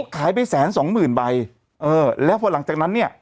ขายไปแสนสองหมื่นใบเออแล้วพอหลังจากนั้นเนี่ย